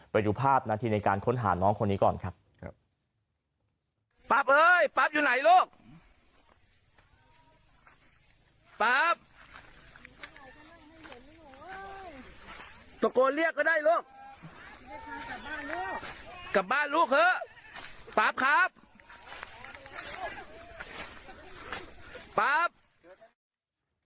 ไปดูภาพนาทีในการค้นหาน้องคนนี้ก่อนครับ